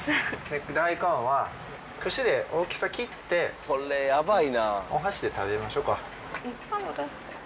大根は串で大きさ切ってお箸で食べましょうか。